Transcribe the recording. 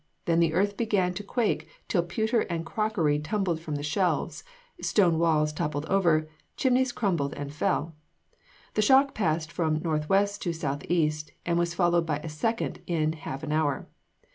Then the earth began to quake till pewter and crockery tumbled from the shelves, stone walls [Illustration: WRECK ON KING STREET, CHARLESTON, S. C.] toppled over, and chimneys crumbled and fell. The shock passed from northwest to southeast, and was followed by a second in half an hour.